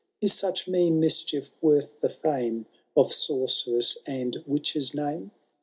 Is such mean mischief worth the fame Of sorceress and witch's name